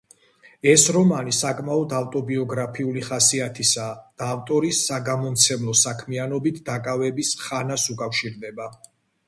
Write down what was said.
ეს რომანი საკმაოდ ავტობიოგრაფიული ხასიათისაა და ავტორის საგამომცემლო საქმიანობით დაკავების ხანას უკავშირდება.